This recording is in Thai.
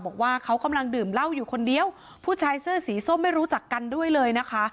บอกว่าเขากำลังดื่มเหล้าอยู่คนเดียวผู้ชายเสื้อสีส้มไม่รู้จักกันด้วยเลยนะคะ